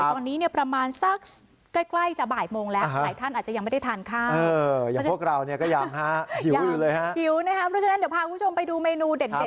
ตอนนี้ประมาณสักก็ใกล้